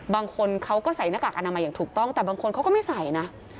บางคนเขาก็ใส่หน้ากากอนามัยอย่างถูกต้องแต่บางคนเขาก็ไม่ใส่นะ